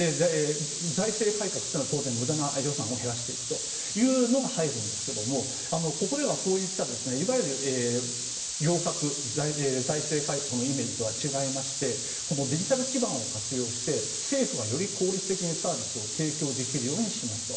財政改革というのは当然無駄な予算を減らしていくというのが入るんですがここでは、そういったいわゆる財政改革のイメージとは違いましてデジタル基盤を活用して政府がより効率的にサービスを提供できるようにしますと。